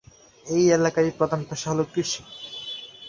এই এলাকার প্রধান পেশা হল কৃষি।